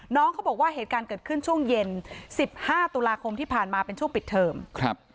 น้องเขาบอกว่าเหตุการณ์เกิดขึ้นช่วงเย็นสิบห้าตุลาคมที่ผ่านมาเป็นช่วงปิดเทิมครับ